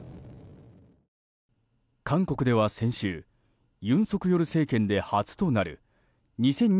韓国では先週尹錫悦政権で初となる２０２２